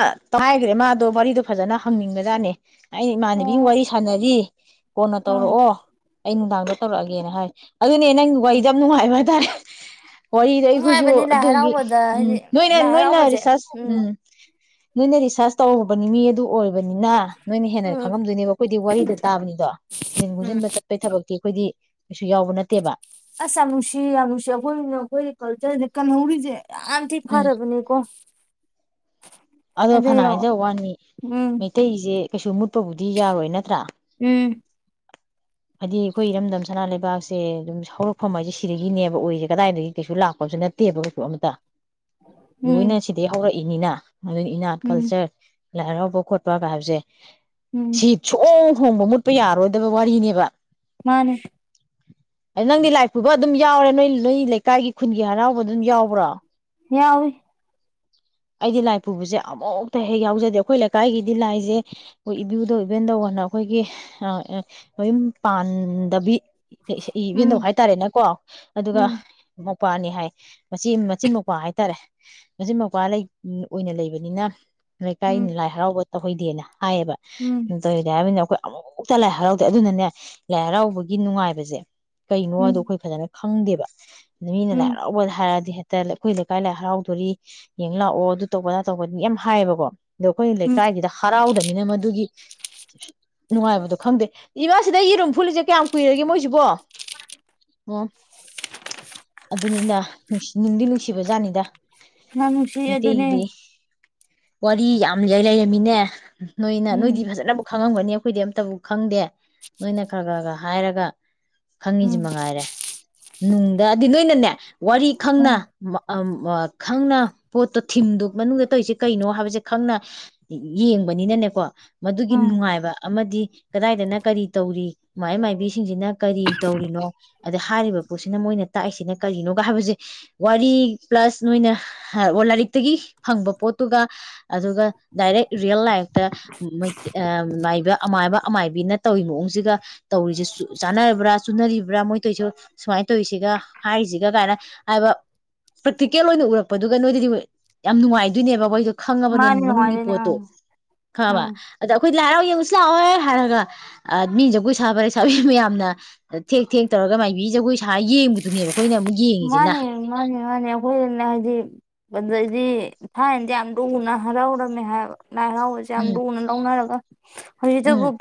ꯑ ꯇꯥꯏꯈ꯭ꯔꯦ ꯃꯥꯗꯣ ꯋꯥꯔꯤꯗꯣ ꯐꯖꯅ ꯍꯪꯅꯤꯡꯕ ꯖꯥꯠꯅꯦ ꯑꯩꯩꯅ ꯏꯃꯥꯟꯅꯕꯤꯒ ꯑꯣ ꯋꯥꯔꯤ ꯁꯥꯟꯅꯔꯤ ꯀꯣꯟꯅ ꯎꯝ ꯇꯧꯔꯛꯑꯣ ꯑꯩ ꯅꯨꯡꯗꯥꯡꯗ ꯇꯧꯔꯛꯑꯒꯦꯅ ꯍꯥꯏ ꯑꯗꯨꯅꯦ ꯅꯪꯒꯤ ꯋꯥꯔꯤꯗꯤ ꯎꯝ ꯌꯥꯝ ꯅꯨꯡꯉꯥꯏꯕ ꯍꯥꯏꯇꯥꯔꯦ [inaudible] ꯋꯥꯔꯤꯗ ꯑꯩꯈꯣꯏꯁꯨ ꯅꯨꯡꯉꯥꯏꯕꯅꯤ ꯂꯥꯏ ꯑꯗꯨꯒꯤ ꯍꯔꯥꯎꯕꯗ ꯎꯝ ꯍꯥꯏꯗꯤ ꯅꯣꯏꯅ ꯂꯥꯏ ꯅꯣꯏꯅ ꯍꯔꯥꯎꯕꯁꯦ ꯔꯤꯁꯥꯔꯁ ꯎꯝ ꯅꯣꯏꯅ ꯔꯤꯁ ꯁꯥꯔꯁ ꯇꯧꯔꯨꯔꯕ ꯃꯤ ꯑꯗꯨ ꯑꯣꯏꯕꯅꯤꯅ ꯅꯣꯏꯅ ꯍꯦꯟꯅ ꯎꯝ ꯈꯪꯉꯝꯗꯣꯏꯅꯦꯕ ꯑꯩꯈꯣꯏꯗꯤ ꯋꯥꯔꯤꯗ ꯇꯥꯕꯅꯤꯗꯣ ꯊꯤꯖꯤꯟ ꯎꯝ ꯈꯨꯝꯖꯤꯟꯕ ꯆꯠꯄꯩ ꯊꯕꯛꯇꯤ ꯑꯩꯈꯣꯏꯗꯤ ꯀꯩꯁꯨ ꯌꯥꯎꯕ ꯅꯠꯇꯦꯕ ꯑꯁ ꯌꯥꯝ ꯅꯨꯡꯁꯤ ꯌꯥꯝ ꯅꯨꯡꯁꯤ ꯑꯩꯈꯣꯏ ꯑꯩꯈꯣꯏ ꯀꯜꯆꯔꯁꯦ ꯀꯟꯍꯧꯔꯤꯁꯦ ꯌꯥꯝꯊꯝ ꯎꯝ ꯐꯔꯕꯅꯤ ꯀꯣ ꯑꯗꯣ ꯐꯅ ꯍꯥꯏꯖ ꯋꯥꯅꯤ ꯎꯝ ꯃꯩꯇꯩꯁꯦ ꯀꯩꯨꯝꯃꯨ ꯆꯄꯕꯨꯗꯤ ꯌꯥꯔꯣꯏ ꯅꯠꯇ꯭ꯔꯥ ꯎꯝ ꯍꯥꯏꯗꯤ ꯑꯩꯈꯣꯏ ꯏꯔꯝꯗꯝ ꯁꯅꯥ ꯂꯩꯕꯥꯛꯁꯦ ꯑꯗꯨꯝ ꯍꯧꯔꯛꯐꯝ ꯍꯥꯏꯁꯦ ꯁꯤꯗꯒꯤꯅꯦꯕ ꯑꯣꯏꯁꯦ ꯀꯗꯥꯏꯗꯒꯤ ꯀꯩꯁꯨ ꯂꯥꯛꯄꯁꯨ ꯅꯠꯇꯦꯕ ꯀꯩꯁꯨ ꯑꯃꯇ ꯂꯣꯏꯅ ꯎꯝ ꯁꯤꯗꯤꯩ ꯍꯧꯔꯛꯏ ꯏꯅꯤꯅ ꯑꯗꯨ ꯏꯅꯥꯠ ꯎꯝ ꯀꯜꯆꯔ ꯂꯥꯏꯔꯥꯎꯕ ꯈꯣꯠꯄꯒ ꯍꯥꯏꯕꯁꯦ ꯎꯝ ꯁꯤꯠꯁꯨ ꯍꯣꯡꯕ ꯃꯨꯠꯄ ꯌꯥꯔꯣꯏꯗꯕ ꯋꯥꯔꯤꯅꯦꯕ ꯃꯥꯅꯦ ꯑ ꯅꯪꯗꯤ ꯂꯥꯏ ꯄꯨꯕ ꯑꯗꯨꯝ ꯌꯥꯎꯔꯦ ꯅꯣꯏ ꯅꯣꯏ ꯂꯩꯀꯥꯏꯒꯤ ꯈꯨꯟꯒꯤ ꯍꯔꯥꯎꯕ ꯑꯗꯨꯝ ꯌꯥꯎꯕ꯭ꯔꯣ ꯌꯥꯎꯎꯦ ꯑꯩꯗꯤ ꯂꯥꯏ ꯄꯨꯕꯁꯦ ꯑꯃꯨꯛꯇ ꯍꯦꯛ ꯌꯥꯎꯖꯗꯦ ꯑꯩꯈꯣꯏ ꯂꯩꯀꯥꯏꯒꯤꯗꯤ ꯂꯥꯏꯁꯦ ꯑꯩꯈꯣꯏ ꯏꯕꯨꯨꯗꯧ ꯏꯕꯦꯟꯗꯧꯅ ꯑꯩꯈꯣꯏꯒꯤ ꯃꯌꯨꯝ ꯄꯥꯟꯗꯕꯤ ꯏꯚꯦꯟꯗꯣꯛ ꯎꯝ ꯍꯥꯏꯇꯥꯔꯦꯅꯦꯀꯣ ꯑꯗꯨꯒ ꯎꯝ ꯃꯄꯥꯅꯤ ꯍꯥꯏ ꯃꯆꯤꯟ ꯃꯆꯤꯟ ꯃꯧ꯭ꯋꯥ ꯍꯥꯏꯇꯥꯔꯦ ꯃꯆꯤꯟ ꯃ ꯅꯨꯄꯥ ꯑꯣꯏꯅ ꯂꯩꯕꯅꯤꯅ ꯂꯩꯀꯥꯏꯅꯤ ꯎꯝ ꯂꯥꯏ ꯍꯔꯥꯎꯕ ꯇꯧꯍꯣꯏꯗꯌꯦꯂ ꯍꯥꯏꯌꯦꯕ ꯎꯝ ꯑꯗꯨ ꯇꯧꯔꯤꯗꯤ ꯍꯥꯏꯕꯅꯤꯅ ꯑꯩꯈꯣꯏ ꯑꯃꯨꯛꯇ ꯂꯥꯏ ꯍꯔꯥꯎꯗꯦ ꯑꯗꯨꯅꯅꯦ ꯂꯥꯏ ꯍꯔꯥꯎꯕꯒꯤ ꯅꯨꯡꯉꯥꯏꯕꯁꯦ ꯀꯩꯅꯣ ꯑꯗꯨꯗ ꯎꯝ ꯑꯩꯈꯣꯏ ꯐꯖꯅ ꯈꯪꯗꯦꯕ ꯃꯤꯅ ꯎꯝ ꯂꯥꯏꯔꯥꯎꯕꯗ ꯍꯥꯏꯔꯛꯑꯗꯤ ꯍꯥꯏ ꯑꯩꯈꯣꯏ ꯂꯩꯀꯥꯏ ꯂꯥꯏ ꯍꯔꯥꯎꯗꯣꯔꯤ ꯌꯦꯡ ꯂꯥꯛꯑꯣ ꯑꯗꯨ ꯇꯧꯕꯗꯥ ꯇꯧꯕ ꯌꯥꯝ ꯍꯥꯏꯌꯦꯕꯀꯣ ꯑꯗꯣ ꯑꯩꯈꯣꯏ ꯎꯝ ꯂꯩꯀꯥꯏꯒꯤꯗ ꯍꯔꯥꯎꯗꯕꯅꯤꯅ ꯃꯗꯨꯒꯤ ꯅꯨꯡꯉꯥꯏꯕꯗꯣ ꯈꯪꯗꯦ ꯏꯃꯥꯁꯤꯗ ꯌꯦꯔꯨꯝ ꯐꯨꯜꯂꯤꯁꯦ ꯀꯌꯥꯝ ꯀꯨꯏꯔꯒꯦ ꯃꯣꯏꯁꯤꯕꯣ ꯑꯣ ꯑꯗꯨꯅꯤꯅ ꯅꯨꯡꯗꯤ ꯅꯨꯡꯁꯤꯕ ꯖꯥꯠꯅꯤꯗ ꯅꯪꯁꯤ ꯑꯗꯨ ꯑꯗꯨꯅꯦ ꯋꯥꯔꯤ ꯌꯥꯝ ꯂꯩꯏ ꯂꯩꯔꯝꯃꯤꯅꯦ ꯅꯣꯏꯅ ꯅꯣꯏꯗꯤ ꯎꯝ ꯐꯖꯅꯕꯨ ꯈ ꯈꯪꯉꯝꯒꯅꯤ ꯑꯩꯈꯣꯏꯗꯤ ꯑꯝꯇꯕꯨ ꯈꯪꯗꯦ ꯅꯣꯏꯅ ꯈꯔ ꯈꯔ ꯈꯔ ꯍꯥꯏꯔꯒ ꯈꯪꯉꯤꯁꯤ ꯎꯝ ꯃꯉꯥꯏꯔꯦ ꯅꯨꯡꯗ ꯑꯗꯨꯗꯤ ꯅꯣꯏꯅꯅꯦ ꯋꯥꯔꯤ ꯈꯪꯅ ꯎꯝ ꯈꯪꯅ ꯄꯣꯠꯇꯣ ꯊꯤꯝꯗꯣ ꯃꯅꯨꯡꯗ ꯇꯧꯔꯤꯁꯦ ꯀꯩꯅꯣ ꯍꯥꯏꯕꯁꯦ ꯈꯪꯅ ꯌꯦꯡꯕꯅꯤꯅꯅꯦꯀꯣ ꯃꯗꯨꯒꯤ ꯎꯝ ꯅꯨꯡꯉꯥꯏꯕ ꯑꯃꯗꯤ ꯀꯗꯥꯏꯗꯅ ꯀꯔꯤ ꯇꯧꯔꯤ ꯃꯥꯏ ꯃꯥꯏꯕꯤꯁꯤꯡꯁꯤꯅ ꯀꯔꯤ ꯇꯧꯔꯤꯅꯣ ꯑꯗ ꯍꯥꯏꯔꯤꯕ ꯄꯣꯠꯁꯤꯅ ꯃꯣꯏꯅ ꯇꯥꯛꯏꯁꯤꯅ ꯀꯔꯤꯅꯣꯒ ꯍꯥꯏꯕꯁꯦ ꯋꯥꯔꯤ ꯄ꯭ꯂꯁ ꯅꯣꯏꯅ ꯑꯣ ꯂꯥꯏꯔꯤꯛꯇꯒꯤ ꯐꯪꯕ ꯄꯣꯠꯇꯨꯒ ꯑꯗꯨꯒ ꯗꯥꯏꯔꯦꯛ ꯔꯤꯌꯦꯜ ꯂꯥꯏꯐꯇ ꯃꯥꯏꯕ ꯑꯃꯥꯏꯕ ꯑꯃꯥꯏꯕꯤꯅ ꯇꯧꯔꯤ ꯃꯑꯣꯡꯁꯤꯒ ꯇꯧꯔꯤꯁꯤ ꯆꯥꯟꯅꯔꯕ꯭ꯔꯥ ꯆꯨꯅꯔꯤꯕ꯭ꯔꯥ ꯃꯣꯏ ꯇꯣꯏꯁꯨ ꯁꯨꯃꯥꯏꯅ ꯇꯧꯔꯤꯁꯤꯒ ꯍꯥꯏꯔꯤꯁꯤꯒ ꯀꯥꯏꯅ ꯍꯥꯏꯕ ꯄ꯭ꯔꯦꯛꯇꯤꯀꯦꯜ ꯑꯣꯏꯅ ꯎꯔꯛꯄ ꯄꯗꯨꯒ ꯅꯣꯏꯗꯗꯤ ꯌꯥꯝ ꯅꯨꯡꯉꯥꯏꯗꯣꯏꯅꯦꯕ ꯑꯩꯈꯣꯏ ꯈꯪꯉꯕꯅꯤ ꯃꯥꯅꯦ ꯃꯅꯨꯡꯒꯤ ꯅꯨꯡꯉꯥꯏꯗꯣꯏꯅꯦ ꯄꯣꯠꯇꯣ ꯎꯝ ꯈꯕ ꯎꯝ ꯑꯗ ꯑꯩꯈꯣꯏ ꯂꯥꯏꯔꯥꯎ ꯌꯦꯁꯤꯂꯋꯥꯣꯏ ꯍꯥꯏꯔꯒ ꯑꯗꯃꯤꯖꯕꯨꯣꯏ ꯁꯍꯕꯔ ꯂꯩꯁꯥꯕꯤ ꯃꯌꯥꯝꯅ ꯊꯦꯛ ꯊꯦꯛ ꯇꯧꯔꯒ ꯃꯥꯏꯕꯤ ꯖꯒꯣꯏ ꯁꯥ ꯌꯦꯡꯕꯗꯨꯅꯦꯕ ꯑꯩꯈꯣꯏꯅ ꯑꯃꯨꯛ ꯌꯦꯡꯉꯤꯁꯤꯅ ꯃꯥꯅꯦ ꯃꯥꯅꯦ ꯃꯥꯅꯦ ꯑꯈꯣꯏꯅ ꯍꯥꯏꯗꯤ ꯑꯗꯨꯗꯩꯗꯤ ꯊꯥꯏꯅꯗꯤ ꯌꯥꯝ ꯂꯨꯅ ꯍꯔꯥꯎꯔꯝꯃꯦ ꯍꯥꯏꯕ ꯂꯥꯏ ꯍꯔꯥꯎꯕꯁꯦ ꯌꯥꯝ ꯎꯝ ꯂꯨꯅ ꯂꯧꯅꯔꯒ ꯍꯧꯖꯤꯛꯇꯇꯕꯨ ꯎꯝ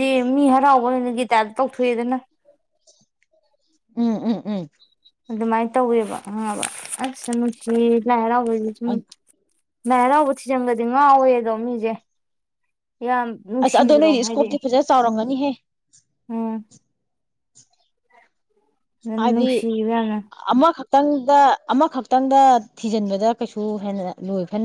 ꯗꯤ ꯃꯤ ꯍꯔꯥꯎꯕꯅ ꯒꯤꯇꯗ ꯇꯧꯊꯣꯛꯑꯦꯗꯅ ꯎꯝ ꯎꯝ ꯎꯝ ꯑꯗꯨꯃꯥꯏꯅ ꯇꯧꯋꯦꯕ ꯑꯪꯕ ꯑꯁ ꯅꯨꯡꯇꯤ ꯂꯥꯏ ꯍꯔꯥꯎ ꯍꯣꯏ ꯎꯝ ꯂꯩ ꯍꯔꯧꯕ ꯊꯤꯖꯟꯕꯁꯦ ꯉꯥꯑꯣꯏꯗꯣ ꯃꯤꯖꯦ ꯑꯁ ꯑꯗꯣ ꯅꯣꯏꯗꯤ ꯏꯁꯀꯣꯞꯇꯤ ꯐꯖꯅ ꯆꯥꯎꯔꯝꯒꯅꯤꯍꯦ ꯎꯝ ꯍꯥꯌꯗꯦ ꯅꯨꯡꯁꯤꯕ ꯌꯥꯝꯅ ꯑꯃꯈꯛ ꯇꯪꯗ ꯑꯃꯈꯛꯇꯪꯗ ꯊꯤꯖꯤꯟꯕꯗ ꯀꯩꯁꯨ ꯍꯦꯟꯅ ꯂꯣꯏꯐ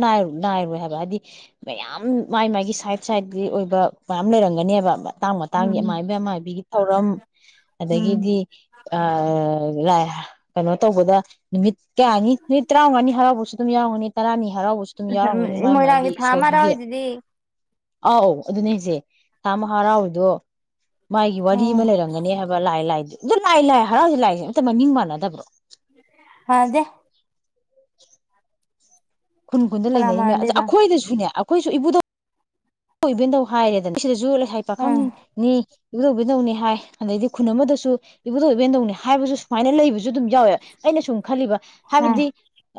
ꯅꯥꯏꯔꯣꯏ ꯍꯥꯏꯕ ꯍꯥꯏꯗꯤ ꯃꯌꯥꯝ ꯃꯥꯏ ꯃꯥꯒꯤ ꯁꯥꯏꯠ ꯁꯥꯏꯠꯀꯤ ꯑꯣꯏꯕ ꯃꯌꯥꯝ ꯂꯩꯔꯝꯒꯅꯦꯕ ꯃꯇꯥꯡ ꯃꯇꯥꯡꯒꯤ ꯎꯝ ꯑꯃꯥꯏꯕꯤ ꯑꯃꯥꯏꯕꯤꯒꯤ ꯊꯧꯔꯝ ꯎꯝ ꯑꯗꯒꯤꯗꯤ ꯀꯩꯅꯣ ꯇꯧꯕꯗ ꯅꯨꯃꯤꯠ ꯀꯌꯥꯅꯤ ꯅꯨꯃꯤꯠ ꯇꯔꯥꯃꯉꯥꯅꯤ ꯍꯔꯥꯎꯕꯁꯨ ꯑꯗꯨꯝ ꯌꯥꯎꯒꯅꯤ ꯇꯔꯥꯅꯤ ꯍꯔꯥꯎꯕꯁꯨ ꯑꯗꯨꯝ ꯌꯥꯎꯔꯝꯒꯅꯤ ꯃꯥꯏ ꯃꯥꯒꯤ ꯃꯣꯏꯔꯥꯪꯒꯤ ꯊꯥ ꯑꯃ ꯏꯁꯣꯔꯗꯨꯒꯤ ꯑꯣꯏꯣꯏꯗꯗꯤ ꯑꯧ ꯑꯗꯨꯅꯦꯁꯦ ꯊꯥ ꯑꯃꯥ ꯍꯔꯥꯎꯔꯤꯗꯣ ꯃꯥꯒꯤ ꯋꯥꯔꯤ ꯎꯝ ꯑꯃ ꯂꯩꯔꯝꯒꯅꯤ ꯍꯥꯏꯕ ꯂꯥꯏ ꯂꯥꯏ ꯗꯨꯠ ꯂꯥꯏ ꯂꯥꯏ ꯍꯔꯥꯎꯁꯦ ꯂꯥꯛꯏꯦꯝꯛꯇ ꯃꯃꯤꯡ ꯃꯥꯟꯅꯗꯕ꯭ꯔꯣ ꯃꯅꯥꯗꯦ ꯈꯨꯟ ꯈꯨꯟꯗ ꯀꯅꯥ ꯂꯩꯅꯔꯤꯃꯦ ꯑꯗ ꯃꯥꯟꯅꯗꯣꯏꯕ ꯑꯩꯈꯣꯏꯗꯁꯨꯅꯦ ꯑꯩꯈꯣꯏꯁꯨ ꯏꯕꯨꯗ ꯏꯕꯅ ꯇꯧ ꯍꯥꯏꯔꯦꯗꯅ ꯁꯤꯗꯁꯨ ꯍꯥꯏ ꯎꯝ ꯄꯥꯈꯪꯅꯤ ꯏꯗꯧꯕꯤꯅꯧꯅꯤ ꯍꯥꯏ ꯑꯗꯩꯗꯤ ꯈꯨꯟ ꯑꯃꯗꯁꯨ ꯏꯕꯨꯙꯧ ꯏꯕꯦꯟꯗꯧꯅꯤ ꯍꯥꯏꯕꯁꯨ ꯁꯨꯃꯥꯏꯅ ꯂꯩꯕꯁꯨ ꯑꯗꯨꯝ ꯌꯥꯎꯋꯦ ꯑꯩꯅ ꯁꯨꯝ ꯈꯜꯂꯤꯕ ꯎꯝ ꯍꯥꯏꯕꯗꯤ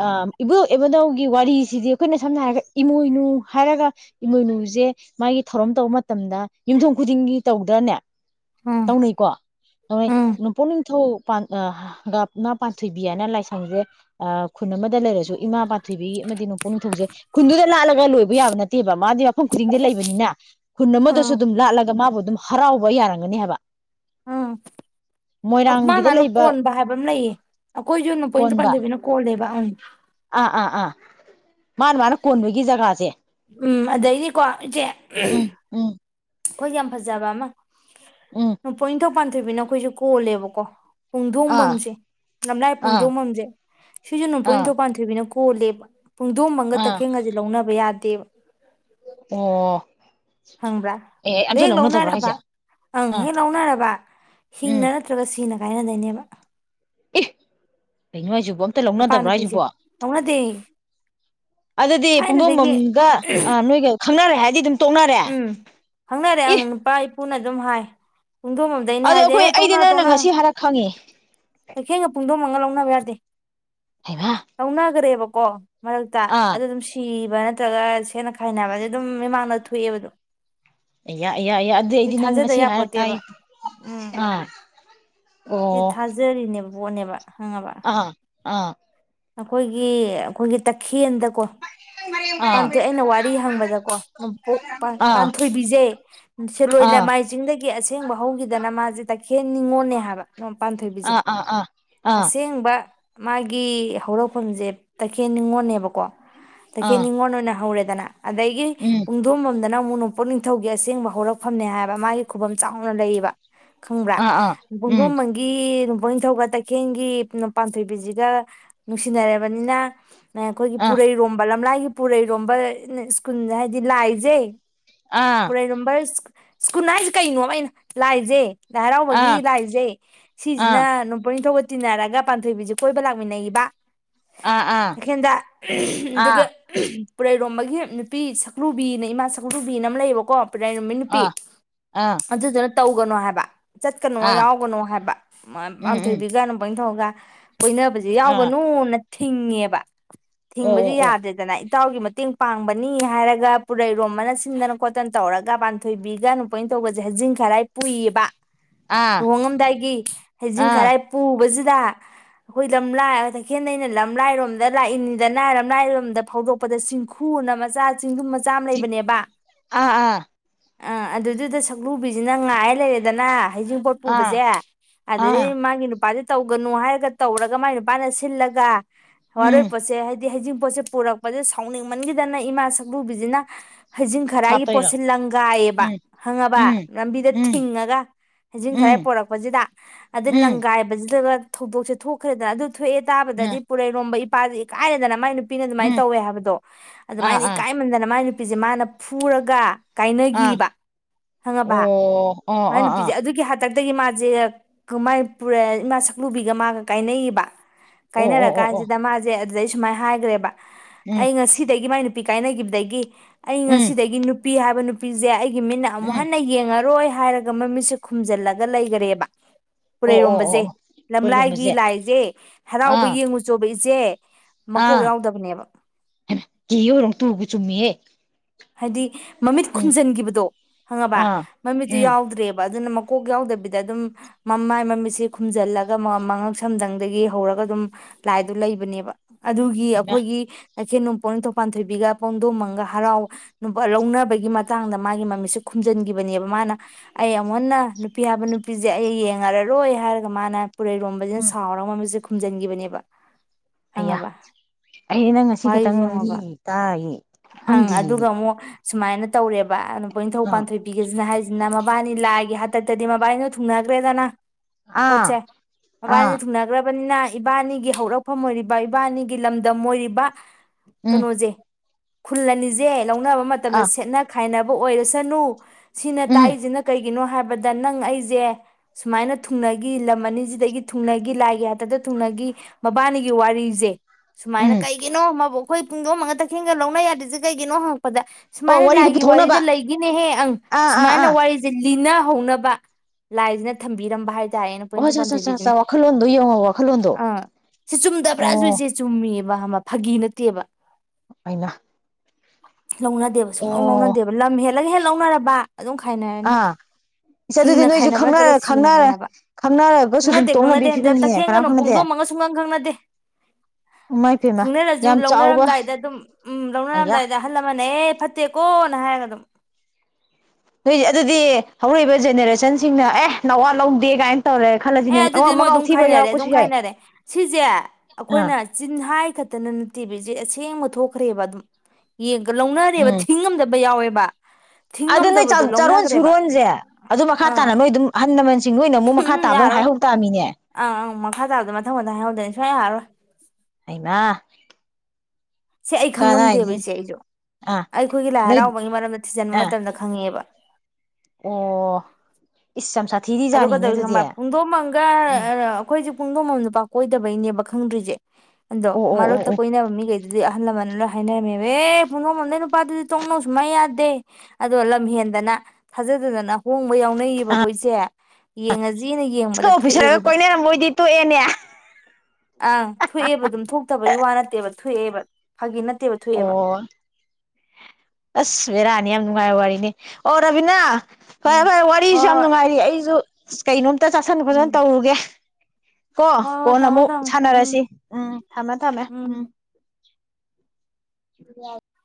ꯑ ꯏꯕꯨꯗꯧ ꯏꯕꯙꯧꯒꯤ ꯋꯥꯔꯤꯁꯤꯗꯤ ꯑꯩꯈꯣꯏꯅ ꯁꯝꯅ ꯍꯥꯏꯔꯒ ꯏꯃꯣꯏꯅꯨ ꯍꯥꯏꯔꯒ ꯏꯃꯣꯏꯅꯨꯁꯦ ꯃꯥꯒꯤ ꯊꯧꯔꯝ ꯇꯧꯕ ꯃꯇꯝꯗ ꯌꯨꯝꯊꯣꯡ ꯈꯨꯗꯤꯡꯒꯤ ꯇꯧꯗ꯭ꯔꯅꯦ ꯎꯝ ꯇꯧꯅꯩꯀꯣ ꯇꯧꯅꯩ ꯎꯝ ꯅꯣꯡꯄꯣꯛ ꯅꯤꯡꯊꯧ ꯑ ꯏꯃꯥ ꯄꯥꯟꯊꯣꯏꯕꯤ ꯍꯥꯏꯅ ꯂꯥꯏꯁꯪꯁꯦ ꯑ ꯈꯨꯟ ꯑꯃꯗ ꯂꯩꯔꯁꯨ ꯏꯃꯥ ꯄꯟꯊꫭꯏꯕꯤ ꯑꯃꯗꯤ ꯅꫭꯡꯄꫭꯛ ꯅꯤꯡꯊꯧꯖꯦ ꯈꯨꯟꯗꯨꯗ ꯂꯥꯠꯂꯒ ꯌꯥꯕ ꯅꯠꯇꯦꯕ ꯃꯥꯗꯤ ꯈꯨꯗꯤꯡꯗ ꯂꯩꯕꯅꯤꯅ ꯈꯨꯟ ꯑꯃꯗꯁꯨ ꯑꯥ ꯑꯗꯨꯝ ꯂꯥꯠꯂꯒ ꯃꯥꯕꯨ ꯑꯗꯨꯝ ꯍꯔꯥꯎꯕ ꯌꯥꯔꯝꯒꯅꯤ ꯍꯥꯏꯕ ꯎꯝ ꯃꯥ ꯃꯣꯏꯔꯥꯡꯒꯤꯗ ꯃꯥꯅ ꯂꯩꯕ ꯀꯣꯟꯕ ꯍꯥꯏꯕ ꯑꯝ ꯂꯩꯌꯦ ꯑꯩꯈꯣꯏꯁꯨ ꯅꯄꯣꯛ ꯅꯤꯡꯊꯧ ꯀꯣꯟꯕ ꯄꯥꯟꯊꫭꯏꯕꯤꯅ ꯀꯣꯜꯂꯦꯕ [inaudible] ꯑꯥ ꯑꯥ ꯑꯥ ꯃꯥꯅ ꯃꯥꯅ ꯀꯣꯟꯕꯒꯤ ꯖꯒꯥꯁꯦ ꯎꯝ ꯑꯗꯩꯗꯤꯀꯣ ꯏꯆꯦ ꯎꯝ ꯎꯝ ꯑꯩꯈꯣꯏꯒꯤ ꯌꯥꯝ ꯐꯖꯕ ꯑꯃ ꯎꯝ ꯅꫭꯡꯄꫭꯛ ꯅꯤꯡꯊꯧ ꯄꯥꯟꯊꯣꯏꯕꯤꯅ ꯑꯩꯈꯣꯏꯁꯨ ꯀꯣꯜꯂꯦꯕꯀꯣ ꯑꯥ ꯄꯨꯡꯊꯣꯡꯕꯝꯁꯦ ꯂꯝꯂꯥꯏ ꯑꯥ ꯄꯨꯡꯊꯣꯡꯕꯝꯁꯦ ꯁꯤꯁꯨ ꯅꫭꯡꯄꫭꯛ ꯑꯥ ꯅꯤꯡꯊꯧ ꯄꯥꯟꯊꯣꯏꯕꯤꯅ ꯀꯣ ꯀꫭꯜꯂꯦꯕ ꯄꯨꯡꯗꯣꯝꯕꯝꯒ ꯑꯥ ꯇꯈꯦꯡꯒꯁꯦ ꯂꯧꯅꯕ ꯌꯥꯗꯦ ꯗꯦꯕ ꯑꯣ ꯑꯦ ꯑꯝꯇ ꯂꯦꯛ ꯂꯧꯅꯗꯕ꯭ꯔꯣ ꯂꯧꯅꯔꯕ ꯍꯥꯏꯁꯦ ꯑꯪ ꯑꯥ ꯍꯦꯛ ꯂꯧꯅꯔꯕ ꯎꯝ ꯍꯤꯡꯅ ꯅꯠꯇ꯭ꯔꯒ ꯁꯤꯅ ꯀꯥꯏꯅꯗꯣꯏꯅꯦꯕ ꯑꯦ ꯀꯩꯅꫭ ꯍꯥꯏꯖꯦ ꯑꯝꯇ ꯅꯨꯄꯥ ꯂꯧꯅꯗꯕ꯭ꯔꯥ ꯅꯨꯄꯤꯁꯦ ꯍꯥꯏꯁꯤꯕꯣ ꯂꯧꯅꯗꯦ ꯑꯗꯨꯗꯤ ꯊꯥꯏꯅꯗꯒꯤ ꯄꯨꯡꯗꯣꯡꯕꯝꯒ ꯅꯣꯏꯒ ꯈꯪꯅꯔꯦ ꯍꯥꯏꯗꯤ ꯑꯗꯨꯝ ꯇꯣꯛꯅꯔꯦ ꯎꯝ ꯍꯪꯅꯔꯦ ꯏ ꯅꯨꯄꯥꯏ ꯄꯨꯨꯅ ꯑꯗꯨꯝ ꯍꯥꯏ ꯄꯨꯡꯗꯣꯝꯕꯝꯗꯩꯅꯦ ꯑꯗꯣ ꯍꯥꯏꯗꯤ ꯑꯩꯈꯣꯏ ꯑꯦ ꯑꯩꯗꯤ ꯇꯣꯛꯅꯔꫭ ꯅꯪꯅ ꯇꯣꯛꯅꯌꫭ ꯉꯁꯤ ꯍꯥꯏꯔ ꯈꯪꯉꯤ ꯇꯈꯦꯡꯒ ꯄꯨꯡꯗꯣꯝꯕꯝꯒ ꯂꯧ ꯈꯪꯅꯕ ꯌꯥꯗꯦ ꯍꯩꯃꯥ ꯂꯧꯅꯥꯒꯔꯦꯕ ꯀꯣ ꯃꯔꯛꯇ ꯑꯥ ꯑꯗꯨ ꯑꯗꯨꯝ ꯁꯤ ꯕ ꯅꯠꯇ꯭ꯔꯒ ꯁꯦꯠꯅ ꯈꯥꯏꯅꯕꯁ ꯑꯗꯨꯝ ꯏꯃꯥꯡꯗ ꯊꯣꯛꯑꯦꯕꯗꯨ ꯌꯥꯏ - ꯌꯥꯏ ꯑꯗꯨꯗ ꯑꯩꯗꯤ ꯅꯪ ꯉꯁꯤ ꯍꯥꯏꯔ ꯇꯥꯏ ꯌꯥꯄꯣꯠꯇꯦꯕ ꯑ ꯎꯝ ꯁꯤ ꯑꯣ꯫ [unintelligible] ꯑꯥ ꯑꯥ꯫ ꯑꯩꯈꯣꯏꯒꯤ ꯑꯩꯈꯣꯏꯒꯤ ꯇꯈꯦꯜꯗ ꯑꯥ ꯄꯥꯝꯊꯦ ꯑꯩꯅ ꯋꯥꯔꯤ ꯍꯪꯕꯗꯀꯣ ꯑꯥ ꯄꯥꯟꯊꯣꯏꯕꯤꯁꯦ ꯁꯦꯜꯂꯣꯏ ꯑꯥ ꯂꯃꯥꯏ ꯆꯤꯡꯗꯒꯤ ꯑꯁꯦꯡꯕ ꯍꯧꯈꯤꯗꯅ ꯃꯥꯁꯦ ꯇꯈꯦꯜ ꯅꯤꯉꯣꯜꯅꯦ ꯍꯥꯏꯕ ꯅ ꯄꯥꯟꯊꯣꯏꯕꯤꯁꯦ ꯑꯥ ꯑꯥ ꯑꯥ ꯑꯥ ꯑꯁꯦꯡꯕ ꯃꯥꯒꯤ ꯍꯧꯔꯛꯐꯝꯁꯦ ꯇꯈꯦꯜ ꯅꯤꯉꯣꯜꯅꯦꯕꯀꯣ ꯇꯈꯦꯟ ꯑꯥ ꯅꯤꯉꯣꯜ ꯑꯣꯏꯅ ꯍꯧꯔꯦ ꯗꯅꯥ ꯑꯗꯒꯤ ꯎꯝ ꯑꯃꯝꯕꯝꯗꯅ ꯑꯃꯨꯛ ꯅꯣꯡꯄꯣꯛ ꯅꯤꯡꯊꯧꯒꯤ ꯑꯁꯦꯡꯕ ꯍꯧꯔꯛꯐꯝꯅꯦ ꯍꯥꯏꯕ ꯃꯥꯒꯤ ꯈꯨꯕꯝ ꯆꯥꯎꯅ ꯂꯩꯌꯦꯕ ꯈꯪꯕ꯭ꯔꯥ ꯑꯥ ꯑꯥ ꯎꯝ ꯀꯣꯟꯗꯣꯃꯚꯝꯒꯤ ꯅꯤꯡꯊꯧꯒ ꯇꯈꯦꯡꯒꯤ ꯄꯥꯟꯊꯣꯏꯕꯤꯁꯤꯒ ꯅꯨꯡꯁꯤꯅꯕꯅꯤꯅ ꯑꯩꯈꯣꯏꯒꯤ ꯑꯥ ꯄꯨꯔꯩꯔꯣꯝꯝꯕꯜ ꯂꯥꯏꯒꯤ ꯄꯨꯔꯩꯔꯣꯝꯕ ꯁ꯭ꯀꯨꯜ ꯍꯥꯏꯗꯤ ꯗꯤ ꯂꯥꯏꯖ ꯑꯥ ꯄꯨꯔꯩ ꯔꯣꯝꯕ ꯁ꯭ꯀꯨꯟ ꯍꯥꯏꯁꯦ ꯀꯩꯅꯣꯕ ꯑꯩꯅ ꯂꯥꯏ ꯖꯦ ꯂꯥꯏ ꯍꯔꯥꯎꯕꯒꯤ ꯑꯥ ꯂꯥꯏꯁꯦ ꯑꯥ ꯁꯤꯁꯤꯅ ꯅꯣꯡꯄꯣꯛ ꯅꯤꯡꯊꯧ ꯇꯤꯟꯅꯔꯒ ꯄꯥꯟꯊꯣꯏꯕꯤꯁꯦ ꯀꯣꯏꯕ ꯂꯥꯛꯃꯤꯟꯅꯈꯤꯕ ꯑꯥ ꯑꯥ ꯇꯥꯈꯦꯟꯗ ꯑꯥ ꯑꯗꯨꯒꯥ ꯄꯨꯔꯩꯔꯣꯝꯕꯒꯤ ꯅꯨꯄꯤ ꯁꯝ ꯂꯨꯕꯤꯅ ꯏꯃꯥ ꯁꯛꯂꯨꯕꯤꯅ ꯑꯃ ꯂꯩꯌꯦꯕꯀꯣ ꯄꯨꯔꯩ ꯔꯣꯝꯕꯥ ꯒꯤ ꯅꯨꯄꯤ ꯑꯥ ꯑꯥ ꯑꯗꯨꯗꯨꯨꯅꯥ ꯇꯧꯒꯅꯣ ꯍꯥꯏꯕ ꯆꯠꯀꯅꯣ ꯑꯥ ꯌꯥꯎꯒꯅꯣ ꯍꯥꯏꯕ ꯎꯝ ꯎꯝ ꯄꯥꯟꯊꯣꯏꯕꯤ ꯒ ꯇꯧꯔꯒꯥ ꯀꯣꯏꯅꯕꯁꯦ ꯑꯥ ꯌꯥꯎꯒꯅꯨꯅ ꯊꯤꯡꯉꯦꯕ ꯑꯣ ꯊꯤꯡꯕꯗꯤ ꯑꯣ ꯑꯣ ꯌꯥꯗ꯭ꯔꯦꯗꯅ ꯑꯩ ꯏꯇꯥꯎꯒꯤ ꯃꯇꯦꯡ ꯄꯥꯡꯕꯅꯤ ꯍꯥꯏꯔꯒ ꯒ ꯄꯨꯔꯩꯔꯣꯝꯃꯅ ꯁꯤꯟꯗꯅ ꯈꯣꯠꯇꯅ ꯇꯧꯔꯒ ꯄꯥꯟꯊꯣꯏꯕꯤꯒ ꯅꯣꯡꯄꯣꯛ ꯅꯤꯡ ꯊꯧ ꯒꯥꯁꯦ ꯍꯖꯤꯡ ꯈꯔꯥꯏ ꯄꯨꯏꯌꯦꯕ ꯑꯥ ꯂꯨꯍꯣꯡꯉꯝꯗꯥꯏꯒꯤ ꯍꯩꯖꯤꯡ ꯑꯥ ꯈꯔꯥꯏ ꯄꯨꯕꯁꯤ ꯇꯥ ꯑꯈꯣꯏ ꯂꯝꯂꯥꯏ ꯇꯈꯦꯟꯗꯩꯅ ꯂꯝꯂꯥꯏꯔꯣꯝꯗ ꯂꯥꯛꯏꯅꯤꯗꯅ ꯂꯝꯂꯥꯏꯔꯣꯝꯗ ꯐꯥꯎꯗꯣꯛꯄꯗ ꯆꯤꯡꯈꯨꯅ ꯃꯆꯥ ꯆꯤꯡꯗꯨꯝ ꯃꯆꯥ ꯑꯝ ꯆꯤ ꯂꯩꯕꯅꯦꯕ ꯑꯥ ꯑꯥ ꯑꯗꯨꯗꯨꯗ ꯁꯝꯄꯨꯕꯤꯖꯤꯅ ꯉꯥꯏ ꯂꯩꯔꯦꯗꯅ ꯍꯩꯖꯤꯡꯄꯣꯠ ꯑꯥ ꯄꯨꯕꯖꯦ ꯑꯥ ꯑꯥ ꯑꯗꯗꯩ ꯃꯥꯒꯤ ꯅꯨꯄꯥꯖꯦ ꯇꯧꯒꯅꯨ ꯍꯥꯏꯔꯒ ꯇꯧꯔꯒ ꯃꯥꯏ ꯅꯨꯄꯥꯅ ꯁꯤꯜꯂꯒ ꯋꯥꯔꯣꯏ ꯎꯝ ꯄꯣꯠꯁꯦ ꯍꯥꯏꯠ ꯗꯤ ꯍꯩꯖꯤꯡ ꯄꯣꯠꯁꯦ ꯄꯨꯔꯛꯄꯖꯦ ꯁꯥꯎꯅꯤꯡꯃꯟꯒꯤꯗꯅ ꯏꯃꯥꯁꯛ ꯕꯨꯕꯤ ꯖꯤꯅ ꯍꯩꯖꯤꯡ ꯈꯔꯥꯏꯒꯤ ꯍꯥꯞꯇꯣꯏꯔꯣ ꯄꯣꯠꯁꯦ ꯂꯪꯒꯥꯏꯑꯕ ꯎꯝ ꯈꯪꯉꯕ ꯎꯝ ꯂꯝꯕꯤꯗ ꯎꯝ ꯊꯤꯡꯉꯒ ꯍꯩꯖꯤꯡ ꯈꯔꯥꯏ ꯎꯝ ꯄꯣꯔꯛꯄꯖꯤꯗ ꯑꯗꯨ ꯎꯝ ꯂꯪꯒꯥꯏꯕꯖꯤꯗꯒ ꯊꯧꯗꯣꯛꯁꯦ ꯊꯣꯛꯈ꯭ꯔꯦꯗꯅ ꯑꯗꯨ ꯊꯣꯛꯑꯦ ꯑ ꯇꯥꯕꯗꯗꯤ ꯄꯨꯔꯩꯔꯣꯝꯕ ꯏꯞ ꯄꯗꯤ ꯏꯀꯥꯏꯔꯦꯗꯅ ꯃꯥꯏ ꯅꯨꯄꯤ ꯄꯤꯅ ꯑꯗꯨꯃꯥꯏ ꯎꯝ ꯇꯧꯋꯦ ꯍꯥꯏꯕꯗꯣ ꯑꯥ ꯑꯗꯨꯃꯥꯏꯅ ꯑꯥ ꯏ ꯅ ꯃꯥꯏ ꯅꯨꯄꯤꯖꯦ ꯃꯥꯅ ꯐꯨꯔꯒ ꯑꯥ ꯀꯥꯏꯅꯒꯤꯕ ꯑꯣ ꯈꯪꯉꯕ ꯑꯣ ꯑꯣ ꯃꯥꯏ ꯑꯥ ꯅꯨꯄꯤꯖꯦ ꯑꯗꯨꯒꯤ ꯍꯛ ꯇꯛꯇꯒꯤ ꯃꯥꯖꯦ ꯏꯄꯥ ꯄꯨꯔꯦꯜ ꯏꯃꯥ ꯁꯝꯄꯨꯕꯤꯒ ꯃꯥꯒ ꯀꯥꯏꯅꯩꯑꯕ ꯑꯣ ꯑꯣ ꯀꯥꯏꯅꯔ ꯑꯣ ꯑꯣ ꯀꯥꯟꯖꯤꯗ ꯃꯥꯖꯦ ꯑꯗꯨꯝ ꯁꯤꯗꯩ ꯁꯨꯃꯥꯏ ꯍꯥꯏꯒꯔ꯭ꯦꯕ ꯎꯝ ꯑꯩ ꯉꯁꯤꯗꯒꯤ ꯃꯥꯏ ꯅꯨꯄꯤ ꯄꯤ ꯀꯥꯏꯅꯒꯤꯕꯗꯒꯤ ꯑꯩ ꯎꯝ ꯉꯁꯤꯗꯒꯤ ꯅꯨꯞ ꯅꯨꯄꯤ ꯍꯥꯏꯕ ꯅꯨꯄꯤꯖꯦ ꯑꯩ ꯒꯤ ꯃꯤꯠꯅ ꯑꯃꯨꯛ ꯎꯝ ꯍꯟꯅ ꯌꯦꯡꯉꯔꯣꯏ ꯍꯥꯏꯔꯒ ꯃꯃꯤꯠꯁꯦ ꯈꯨꯝꯖꯜꯂꯒ ꯂꯩꯒꯔꯦꯕ ꯑꯣ ꯑꯣ ꯑꯣ ꯄꯨꯔꯩꯔꯣꯝꯕꯖꯦ ꯑꯣ ꯂꯝꯂꯥꯏꯒꯤ ꯄꯣꯏꯔꯣꯝꯕꯁꯦ ꯂꯥꯏꯖꯦ ꯍꯔꯥꯎꯕ ꯑꯥ ꯌꯦꯡꯉꯨ ꯆꯣꯕ ꯖꯦ ꯑꯥ ꯍꯩꯃꯥꯥ ꯀꯤꯌꯦ ꯍꯣꯏꯔꯣꯡ ꯇꯨꯒ ꯆꯨꯡꯉꯤꯍꯦ ꯍꯥꯏꯗꯤ ꯃꯃꯤꯠ ꯈꯨꯝꯖꯟꯒꯤꯕꯗꯣ ꯈꯪꯉꯕ ꯑꯥ ꯃꯃꯤꯠꯇꯨ ꯎꯝ ꯌꯥꯎꯗ꯭ꯔꯦꯕ ꯑꯗꯨꯅ ꯀꯣꯛ ꯌꯥꯎꯗꯕꯤꯗ ꯑꯗꯨꯝ ꯃꯃꯥꯏ ꯃꯃꯤꯠꯁꯦ ꯈꯨꯝꯖꯜꯂꯒ ꯃꯉꯛ ꯁꯝꯗꯪꯗꯒꯤ ꯍꯧꯔꯒ ꯑꯗꯨꯝ ꯂꯥꯏꯗꯨ ꯂꯩꯕꯅꯦꯕ ꯑꯗꯨꯒꯤ ꯍꯩꯃꯥ ꯑꯈꯣꯏꯒꯤ ꯑꯁꯦ ꯅꯣꯡꯄꯣꯛ ꯅꯤꯡꯊꯧ ꯄꯥꯟꯊꯣꯏꯕꯤꯒ ꯄꯣꯡꯗꯣꯝꯃꯪꯒ ꯍꯔꯥꯎ ꯅꯨꯄ ꯂꯧꯅꯕꯒꯤ ꯃꯇꯥꯡꯗ ꯃꯥꯒꯤ ꯃꯃꯤꯠꯁꯦ ꯈꯨꯝꯖꯟꯒꯤꯕꯅꯦꯕ ꯃꯥꯅ ꯑꯩ ꯑꯃꯨꯛ ꯍꯟꯅ ꯅꯨꯄꯤ ꯍꯥꯏꯕ ꯅꯨꯄꯤꯖꯦ ꯑꯩ ꯌꯦꯡꯉꯔꯔꯣꯏ ꯍꯥꯏꯔꯒ ꯃꯥꯅ ꯄꯨꯔꯩꯔꯣꯝꯕꯖꯤꯅ ꯎꯝ ꯁꯥꯎꯔꯒ ꯃꯃꯤꯠꯁꯦ ꯈꯨꯝꯖꯟꯒꯤꯕꯅꯦꯕ ꯑꯌꯥ ꯑꯩ ꯅꯪ ꯉꯁꯤ ꯈꯤꯇꯪ ꯋꯥꯔꯤꯁꯦ ꯂꯤ ꯌꯦꯡꯉꯣꯕ ꯇꯥ ꯑꯪ ꯐꯪꯗꯌꯦ ꯑꯗꯨꯒ ꯑꯃꯨ ꯁꯨꯃꯥꯏꯅ ꯇꯧꯔꯦꯕ ꯄꯣꯏꯟꯊꯧ ꯑꯥ ꯄꯥꯟꯊꯣꯏꯕꯤꯦꯖꯤꯅ ꯍꯥꯏ ꯅ ꯃꯕꯥꯅꯤ ꯂꯥꯏꯑꯒꯤ ꯍꯇꯛꯇꯗꯤ ꯃꯕꯥꯅꯤꯅꯣ ꯊꯨꯡꯅꯈ꯭ꯔꯦꯗꯅ ꯄꯣꯠꯁꯦ ꯑꯥ ꯑꯥ ꯃꯕꯥꯅꯤꯗꯤ ꯊꯨꯡꯅꯈ꯭ꯔꯕꯅꯤꯅ ꯏꯕꯥꯅꯤꯒꯤ ꯍꯧꯔꯛꯐꯝ ꯑꯣꯏꯔꯤꯕ ꯏꯕꯥꯅꯤꯒꯤ ꯂꯝꯗꯝ ꯑꯣꯏꯔꯤꯕ ꯎꯝ ꯀꯩꯅꯣꯁꯦ ꯈꯜꯂꯅꯤ ꯎꯆꯦꯛ ꯂꯧꯅꯕ ꯃꯇꯝꯗ ꯑꯥ ꯁꯦꯠꯅ ꯍꯥꯏꯥꯏꯅꯕ ꯑꯣꯏꯔꯁꯅꯨ ꯁꯤꯅ ꯎꯝ ꯇꯥꯏꯁꯤꯅ ꯀꯩ ꯀꯩꯒꯤꯅꯣ ꯍꯥꯏꯕꯗ ꯅꯪ ꯑꯩꯁꯦ ꯁꯨꯃꯥꯏꯅ ꯊꯨꯡꯅꯈꯤ ꯂꯝ ꯑꯅꯤꯁꯤꯗꯒꯤ ꯊꯨꯡꯅꯈꯤ ꯂꯥꯏꯒꯤ ꯍꯥꯛꯇꯛꯇ ꯊꯨꯡꯅꯈꯤ ꯃꯕꯥꯅꯤꯒꯤ ꯋꯥꯔꯤꯁꯦ ꯁꯨꯃꯥꯏꯅ ꯎꯝ ꯀꯩꯒꯤꯅꯣ ꯃꯕꯣꯛ ꯑꯩꯈꯣꯏ ꯄꯨꯡꯗꯣ ꯑꯃ ꯃꯛꯇ ꯊꯦꯡꯒ ꯂꯧꯅ ꯌꯥꯗꯦ ꯀꯩꯒꯤꯅꯣꯍꯣ ꯂ ꯑꯣ ꯁꯨꯃꯥꯏꯅ ꯋꯥꯔꯤꯗꯨ ꯂꯥꯏꯒꯤ ꯄꯨꯊꯣꯛꯅꯕ ꯋꯥꯔꯤꯗ ꯂꯩꯈꯤꯅꯦꯍꯦ ꯑꯪ ꯑꯥ ꯑꯥ ꯁꯨꯃꯥꯏꯅ ꯑꯥ ꯋꯥꯔꯤꯁꯦ ꯂꯤꯅꯍꯧꯅꯕ ꯂꯥꯏꯁꯤꯅ ꯊꯝꯕꯤꯔꯝꯕ ꯍꯥꯏ ꯇꯥꯏꯌꯦꯅ ꯄꯨꯣꯏꯅ ꯑꯣ ꯑꯗꯨ ꯆꯥ ꯆꯥ ꯆꯥ ꯆꯥ ꯄꯟꯊꯣꯏꯕꯤꯁꯤꯅ ꯋꯥꯈꯜꯂꯣꯟꯗꯣ ꯌꯦꯡꯉꯣ ꯋꯥꯈꯜꯂꯣꯟꯗꯣ ꯑꯥ ꯁꯤ ꯑꯣ ꯆꯨꯝꯗꯕ꯭ꯔꯥꯖꯨꯏꯆꯦ ꯆꯨꯝꯃꯤꯕ ꯋꯥ ꯑꯃ ꯐꯥꯒꯤ ꯅꯠꯇꯦꯕ ꯑꯩꯅ ꯂꯧꯅꯗꯦꯕ ꯁꯨꯡꯂꯧ ꯂꯧꯅꯗꯦꯕ ꯂꯝ ꯍꯦꯜꯂ ꯅꯟꯪ ꯍꯦꯛ ꯂꯧꯅꯔꯕ ꯑꯗꯨꯝ ꯈꯥꯏꯅꯔꯅꯤ ꯑꯥ ꯏꯁ ꯑꯗꯨꯗꯤ ꯍꯤꯡꯅ ꯅꯣꯏꯁꯨ ꯈꯥꯏꯅꯕ ꯈꯪꯅꯔ ꯅꯠꯇ꯭ꯔꯒ ꯁꯤꯅ ꯈꯪꯅꯔ ꯈꯥꯏꯅꯕ ꯈꯪꯅꯔꯒꯁꯨ ꯑꯗꯨꯝ ꯈꯪꯅꯗꯦ ꯈꯪꯅꯗꯦ ꯇꯣꯛꯅꯕꯤ ꯍꯟꯗꯛ ꯐꯤꯕꯝꯅꯤꯅꯦ ꯀꯅꯥꯝ ꯇꯈꯦꯡꯒꯅꯨ ꯈꯪꯅꯗꯦ ꯄꯣꯡꯗꯣꯛꯝꯃꯒ ꯁꯨꯡꯒꯪ ꯈꯪꯅꯗꯦ ꯠꯇꯦ ꯏꯃꯥꯏ ꯄꯦꯝꯃ ꯈꯪꯅꯔꯁꯨ ꯌꯥꯝ ꯆꯥꯎꯕ ꯂꯧꯅꯔꯝꯗꯥꯏꯗ ꯑꯗꯨꯝ ꯎꯝ ꯑꯌꯥ ꯃꯝꯗꯏꯗ ꯍꯜ ꯃꯅꯦ ꯐꯠꯇꯦ ꯀꯣ ꯍꯅ ꯍꯥꯏꯒ ꯑꯗꯨꯝ ꯅꯣꯏꯁꯦ ꯑꯗꯨꯗꯤ ꯍꯧꯔꯛꯏꯕ ꯖꯦꯅꯦꯔꯦꯁꯟꯁꯤꯡꯅ ꯑꯦ ꯅꯋꯥ ꯂꯧꯗꯦ ꯀꯥꯏꯅ ꯇꯧꯔꯦ ꯑꯦ ꯈꯜꯂꯁꯤꯅꯦ ꯑꯣ ꯑꯗꯨꯗꯤ ꯃꯣꯏ ꯃꯉꯥꯎ ꯑꯗꯨꯝ ꯊꯤꯕ ꯈꯥꯏꯅꯔꯦ ꯑꯗꯨꯝ ꯌꯥꯎꯔꯛꯄꯁꯨ ꯌꯥꯏ ꯈꯥꯏꯅꯔꯦ ꯁꯤꯁꯦ ꯑꯥ ꯑꯩꯈꯣꯏꯅ ꯆꯤꯟꯍꯥꯏ ꯈ ꯇꯤꯕꯤꯁꯦ ꯑꯁꯦꯡꯕ ꯊꯣꯛꯈ꯭ꯔꯦꯕ ꯑꯗꯨ ꯂꯧꯅꯔꯦꯕ ꯎꯝ ꯊꯤꯡꯉꯝꯗꯕ ꯌꯥꯎꯋꯦꯕ [inaudible] ꯑꯗꯨ ꯅꯣꯏ ꯊꯤꯡꯉꯝꯗꯕꯗꯣ ꯆꯥꯔꯣꯟ ꯂꯧꯅꯈ꯭ꯔꯦꯕ ꯁꯨꯔꯣꯟꯁꯦ ꯑꯗꯨ ꯃꯈꯥ ꯑꯥ ꯇꯥꯅ ꯅꯣꯏ ꯑꯗꯨꯝ ꯑꯍ ꯂꯃꯟꯁꯤꯡ ꯅꯣꯏꯅ ꯑꯃꯨꯛ ꯃꯈꯥ ꯎꯝ ꯇꯥꯕꯇ ꯌꯥꯔꯣꯏ ꯍꯥꯏꯍꯧ ꯇꯃꯤꯅꯦ ꯑꯪ ꯑꯪ ꯃꯈꯥ ꯇꯥꯕꯗ ꯃꯊꯪ ꯃꯊꯪ ꯍꯥꯏꯍꯧꯗꯣꯏꯅꯤ ꯁꯨꯛꯌꯥ ꯌꯥꯔꯔꯣꯏ ꯍꯩꯃꯥ ꯁꯤ ꯑꯩ ꯈꯪꯉꯝꯗꯦꯕ ꯀꯗꯥꯏꯗꯒꯤ ꯏꯆꯦ ꯑꯩꯁꯨ ꯑꯥ ꯑꯩꯈꯣꯏꯒꯤ ꯂꯥꯏ ꯅꯣꯏ ꯍꯔꯥꯎꯕꯒꯤ ꯃꯔꯝꯗ ꯊꯤꯖꯤꯟꯕ ꯑꯥ ꯃꯇꯝꯗ ꯈꯪꯉꯦꯕ ꯑꯣ ꯏꯁꯝꯁ ꯑ ꯀꯩꯗꯧꯋꯤ ꯈꯪꯕ ꯄꯨꯡꯗꯣꯝꯐꯝꯝꯒ ꯎꯝ ꯑꯩꯈꯣꯏꯁꯨꯦ ꯄꯨꯡꯗꯣꯐꯝꯝꯗ ꯄ ꯀꯣꯏꯗꯕꯩꯅꯦꯕ ꯈꯪꯗ꯭ꯔꯤꯁꯦ ꯑꯗꯣ ꯑꯣ ꯑꯣ ꯑꯣ ꯃꯔꯛꯇ ꯑꯣ ꯀꯣꯏꯕ ꯃꯤ ꯀꯩꯗꯨꯗꯤ ꯑꯗꯨꯗꯤ ꯑꯍꯜ ꯂꯃꯟꯅ ꯂꯣꯏ ꯍꯥꯏꯅꯔꯝꯃꯦꯕ ꯑꯦ ꯐꯣꯡꯗꯣꯡꯐꯝꯝꯗꯩ ꯅꯨꯄꯥꯗꯨꯗꯤ ꯇꯣꯡꯅꯧ ꯁꯨꯡꯃꯥꯏ ꯌꯥꯗꯦ ꯑꯗꯣ ꯂꯝ ꯍꯦꯟꯗꯅ ꯊꯥꯖꯗꯗꯅ ꯍꯣꯡꯕ ꯌꯥꯎꯅꯩꯌꯦꯕꯀꯣ ꯏꯆꯦ ꯌꯦꯉ ꯍꯧꯖꯤꯅ ꯏꯁꯀ ꯌꯦꯡꯕꯗ ꯊꯣꯛꯑꯦꯕ ꯑꯣꯐꯤꯁꯔꯒ ꯑꯗꯨꯝ ꯀꯣꯏꯅꯔꯝꯕꯣꯏꯗꯤ ꯇꯣꯛꯑꯦꯅꯦ ꯑꯪ ꯊꯣꯛꯑꯦꯕ ꯑꯗꯨꯝ ꯊꯣꯛꯇꯕꯒꯤ ꯋꯥ ꯅꯠꯇꯦꯕ ꯑꯕ ꯐꯒꯤꯅ ꯑꯣ ꯑꯁ ꯁꯦꯔ ꯑꯅꯤ ꯌꯥꯝ ꯅꯨꯡꯉꯥꯏ ꯋꯥꯔꯤ ꯑꯣ ꯔꯕꯤꯅꯥ ꯐꯔꯦ ꯎꯝ ꯐꯔꯦ ꯋꯥꯔꯤꯁꯨ ꯍꯣꯏ ꯌꯥꯝ ꯍꯣꯏ ꯅꯨꯡꯉꯥꯏꯔꯤ ꯑꯩꯁꯨ ꯀꯩꯩꯅꯣ ꯑꯛꯇ ꯆꯁꯤꯟ ꯐꯖꯟ ꯎꯝ ꯇꯧꯔꯨꯒꯦ ꯀꯣ ꯍꯣꯏ ꯍꯣꯏ ꯀꯣꯟ ꯊꯝꯃꯣ ꯑꯃꯨꯛ ꯊꯝꯃꯣ ꯎꯝ ꯁꯥꯟꯅꯔꯁꯤ ꯎꯝ ꯊꯝꯃꯦ ꯊꯝꯃꯦ ꯎꯝ [unintelligible]